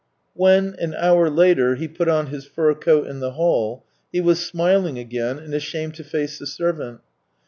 ..." When, an hour later, he put on his fur coat in the hall, he was smiling again and ashamed to face the servant.